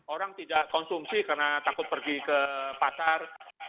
orang tidak konsumsi karena takut pergi ke pasar